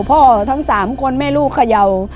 ทั้ง๓คนแม่ลูกเขย่า